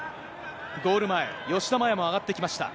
ゴール前、吉田麻也も上がってきました。